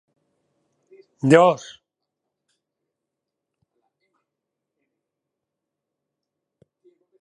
Es el lado B "oficial" del single.